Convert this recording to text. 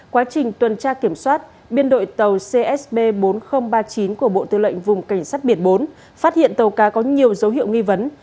quá trình tuần tra kiểm soát biên đội tàu csb bốn nghìn ba mươi chín của bộ tư lệnh vùng cảnh sát biển bốn phát hiện tàu cá có nhiều dấu hiệu nghi vấn